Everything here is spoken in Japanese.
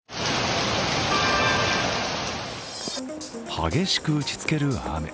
激しく打ちつける雨。